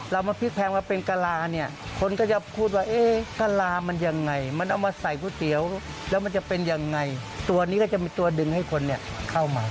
เรามาพลิกแพงมาเป็นกะลาเนี่ยคนก็จะพูดว่าเอ๊ะกะลามันยังไงมันเอามาใส่ก๋วยเตี๋ยวแล้วมันจะเป็นยังไงตัวนี้ก็จะมีตัวดึงให้คนเนี่ยเข้ามา